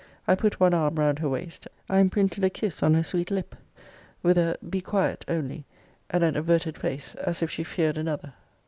I put one arm round her waist: I imprinted a kiss on her sweet lip, with a Be quiet only, and an averted face, as if she feared another.